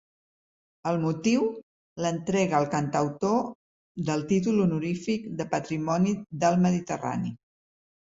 El motiu: l'entrega al cantautor del títol honorífic de "Patrimoni del Mediterrani'.